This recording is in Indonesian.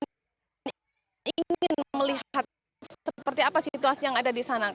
saya ingin melihat seperti apa situasi yang ada di sana